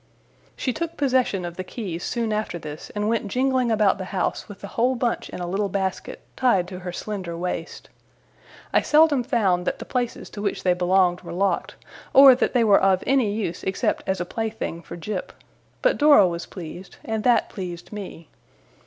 She took possession of the keys soon after this, and went jingling about the house with the whole bunch in a little basket, tied to her slender waist. I seldom found that the places to which they belonged were locked, or that they were of any use except as a plaything for Jip but Dora was pleased, and that pleased me.